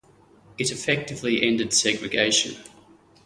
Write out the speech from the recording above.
It effectively ended segregation.